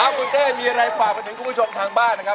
คุณเต้มีอะไรฝากไปถึงคุณผู้ชมทางบ้านนะครับ